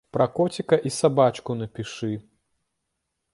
Пра коціка і сабачку напішы.